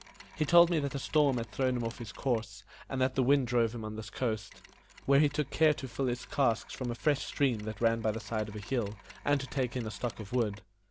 He told me that a storm had thrown him off his course, and that the wind drove him on this coast, where he took care to fill his casks from a fresh stream that ran by the side of a hill, and to take in a stock of wood.